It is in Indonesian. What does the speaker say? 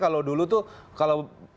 kalau dulu itu kalau